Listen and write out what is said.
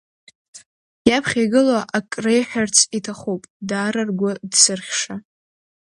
Иаԥхьа игылоу акы реиҳәарц иҭахуп, даара ргәы дзырхьша…